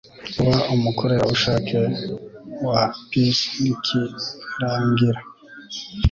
kuba umukorerabushake wa pc nikirangira